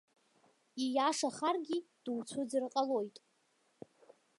Ииашахаргьы дуцәыӡыр ҟалоит.